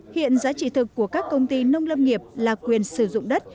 hiện giá trị thực của các công ty nông lâm nghiệp là quyền sử dụng đất